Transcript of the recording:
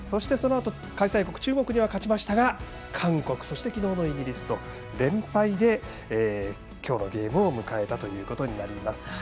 そのあと、開催国の中国には勝ちましたが韓国、そしてきのうのイギリスと連敗できょうのゲームを迎えたということになります。